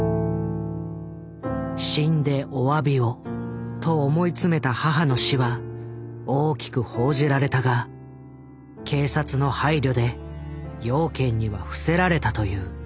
「死んでおわびを」と思い詰めた母の死は大きく報じられたが警察の配慮で養賢には伏せられたという。